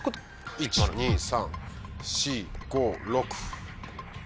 １・２・３・４・５・６。